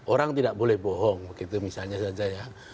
orang tidak boleh bohong gitu misalnya saja ya